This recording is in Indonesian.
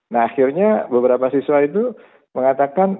nah akhirnya beberapa siswa itu mengatakan